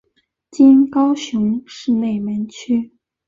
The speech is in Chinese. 今高雄市内门区。